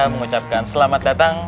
mengucapkan selamat datang